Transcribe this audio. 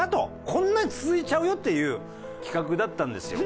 こんなに続いちゃうよっていう企画だったんですよ。